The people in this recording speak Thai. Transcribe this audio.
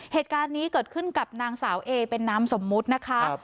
เหตุการณ์นี้เกิดขึ้นกับนางสาวเอเป็นนามสมมุตินะคะ